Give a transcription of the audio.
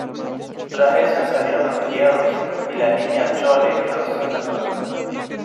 tras ella salieron los criados, y la Niña Chole quedó sola conmigo.